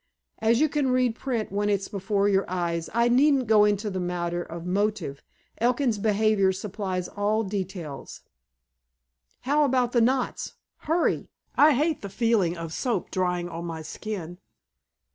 As you can read print when it's before your eyes, I needn't go into the matter of motive; Elkin's behavior supplies all details." "How about the knots? Hurry! I hate the feeling of soap drying on my skin."